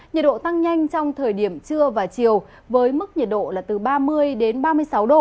nhiệt độ tăng nhanh trong thời điểm trưa và chiều với mức nhiệt độ là từ ba mươi đến ba mươi sáu độ